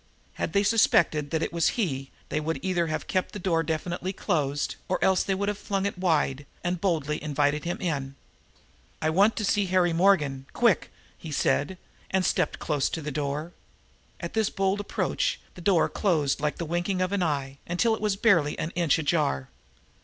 Had they suspected that it was he they would either have kept the door definitely closed, or else they would have flung it open and boldly invited him in. "I want to see Harry Morgan quick!" he said and stepped close to the door. At his bold approach the door was closed like the winking of an eye, until it was barely an inch ajar.